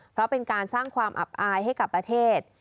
เพราะเป็นการสร้างความอับอายให้กับประเทศ